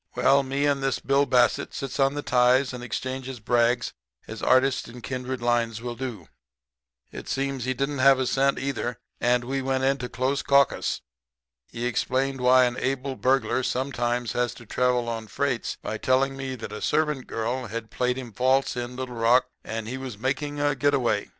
"Well, me and this Bill Bassett sits on the ties and exchanges brags as artists in kindred lines will do. It seems he didn't have a cent, either, and we went into close caucus. He explained why an able burglar sometimes had to travel on freights by telling me that a servant girl had played him false in Little Rock, and he was making a quick get away.